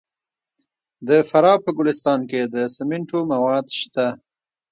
د فراه په ګلستان کې د سمنټو مواد شته.